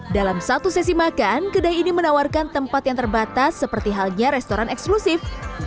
dalam satu sesi makan kedai ini menawarkan tempat yang terbatas seperti halnya restoran eksklusif